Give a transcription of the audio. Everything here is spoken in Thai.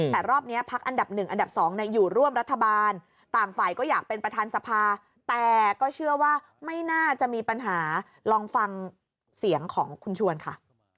แต่รอบนี้พักอันดับ๑อันดับ๒อยู่ร่วมรัฐบาลต่างฝ่ายก็อยากเป็นประธานสภาแต่ก็เชื่อว่าไม่น่าจะมีปัญหาลองฟังเสียงของคุณชวนค่ะ